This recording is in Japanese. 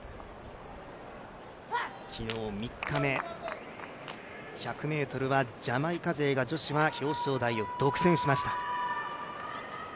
昨日３日目、１００ｍはジャマイカ勢が女子は表彰台を独占しました。